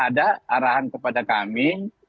ada arahan kepada kami